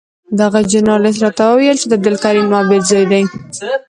دغه ژورنالېست راته وویل چې د عبدالکریم عابد زوی دی.